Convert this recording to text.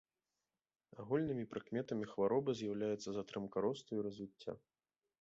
Агульнымі прыкметамі хваробы з'яўляецца затрымка росту і развіцця.